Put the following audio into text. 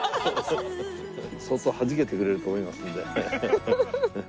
相当はじけてくれると思いますので。